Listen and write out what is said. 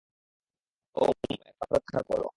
ওম, এখানে অপেক্ষা কর।